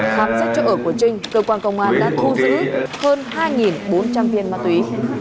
khám xét chỗ ở của trinh cơ quan công an đã thu giữ hơn hai bốn trăm linh viên ma túy